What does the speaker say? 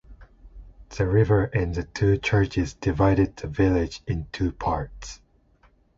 The river and the two churches divided the village in two parts.